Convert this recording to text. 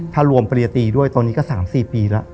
ถ้ารวมปริยตีด้วยตอนนี้ก็๓๔ปีแล้ว